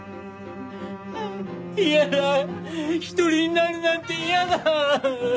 ああ嫌だ一人になるなんて嫌だ！